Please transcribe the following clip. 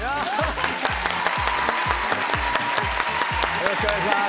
よろしくお願いします。